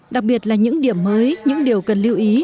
đặc biệt là những điểm mới những điều cần lưu ý